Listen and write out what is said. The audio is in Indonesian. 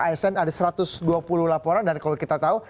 asn ada satu ratus dua puluh laporan dan kalau kita tahu